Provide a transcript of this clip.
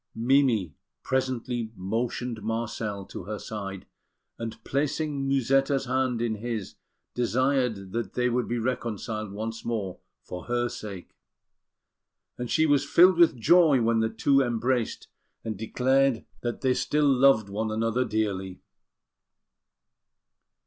Mimi presently motioned Marcel to her side, and, placing Musetta's hand in his, desired that they would be reconciled once more for her sake; and she was filled with joy when the two embraced, and declared that they still loved one another dearly.